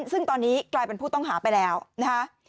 ซึ่งตอนนี้กลายเป็นผู้ต้องหาไปแล้วนะคะ